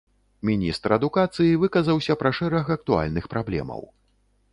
Міністр адукацыі выказаўся пра шэраг актуальных праблемаў.